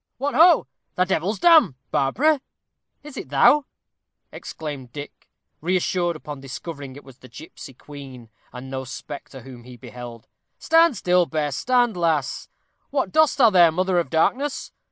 "What, ho! thou devil's dam, Barbara, is it thou?" exclaimed Dick, reassured upon discovering it was the gipsy queen, and no spectre whom he beheld. "Stand still, Bess stand, lass. What dost thou here, mother of darkness?